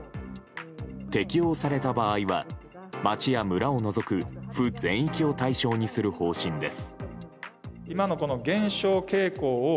適用された場合は街や村を除く府全域を対象にする方針です。